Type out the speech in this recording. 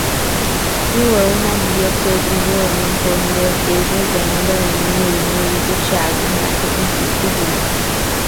João, Maria, Pedro, Joana, António, Beatriz, José, Madalena, Luís, Luísa, Tiago, Marta, Francisco, Júlia